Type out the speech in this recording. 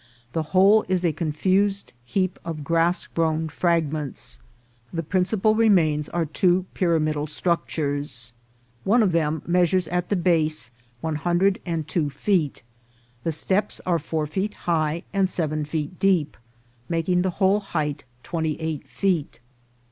The whole is a confused heap of grass grown fragments. The principal remains are two pyramidal structures of this form : fliida1 j— ^•— i [— Sfafb T_ _] One of them measures at the base one hundred and two feet ; the steps are four feet high and seven feet deep, making the whole height twenty eight feet.